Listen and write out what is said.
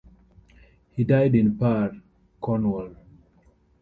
He died in Par, Cornwall.